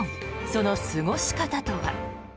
その過ごし方とは？